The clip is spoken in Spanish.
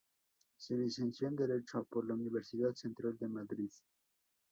Se licenció en Derecho por la Universidad Central de Madrid.